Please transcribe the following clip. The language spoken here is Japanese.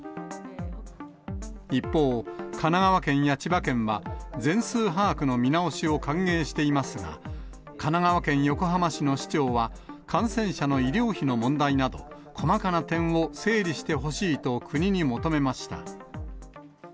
一方、神奈川県や千葉県は、全数把握の見直しを歓迎していますが、神奈川県横浜市の市長は、感染者の医療費の問題など、細かな点を整理してほしいと、国に求めました。